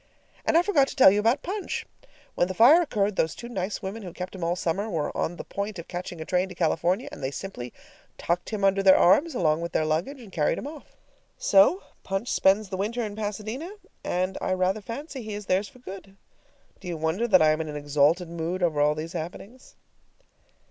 And I forgot to tell you about Punch. When the fire occurred, those two nice women who kept him all summer were on the point of catching a train for California and they simply tucked him under their arms, along with their luggage, and carried him off. So Punch spends the winter in Pasadena and I rather fancy he is theirs for good. Do you wonder that I am in an exalted mood over all these happenings?